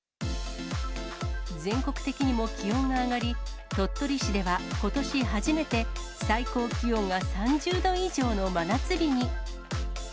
全国的にも気温が上がり、鳥取市では、ことし初めて最高気温が３０度以上の真夏日に。